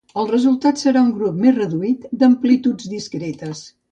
El resultat serà un grup més reduït d'amplituds discretes.